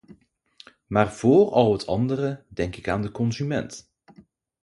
Maar vóór al het andere denk ik aan de consument.